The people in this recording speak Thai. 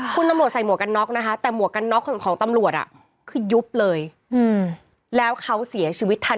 คุณตำรวจใส่หมวกกันน็อกนะฮะ